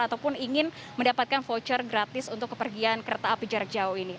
ataupun ingin mendapatkan voucher gratis untuk kepergian kereta api jarak jauh ini